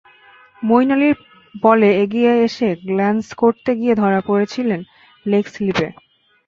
মঈন আলীর বলে এগিয়ে এসে গ্ল্যান্স করতে গিয়ে ধরা পড়েছিলেন লেগ স্লিপে।